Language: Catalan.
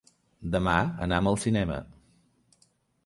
Demà anam al cinema.